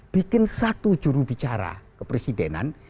bikin satu jurubicara kepresidenan